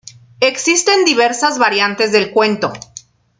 Existen diversas variantes del cuento.